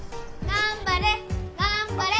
頑張れ！